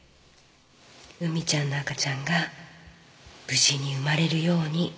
海ちゃんの赤ちゃんが無事に生まれるように。